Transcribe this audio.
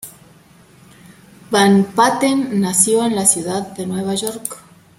Van Patten nació en la ciudad de Nueva York.